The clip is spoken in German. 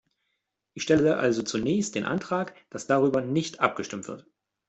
Ich stelle also zunächst den Antrag, dass darüber nicht abgestimmt wird.